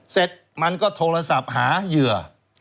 เสร็จมันก็โทรศัพท์หาเหยื่อ